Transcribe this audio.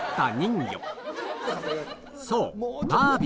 そう！